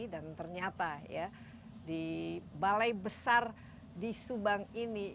dan ternyata ya di balai besar di subang ini